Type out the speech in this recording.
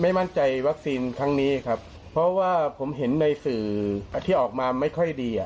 มั่นใจวัคซีนครั้งนี้ครับเพราะว่าผมเห็นในสื่อที่ออกมาไม่ค่อยดีอ่ะ